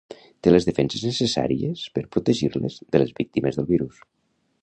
Té les defenses necessàries per protegir-les de les víctimes del virus.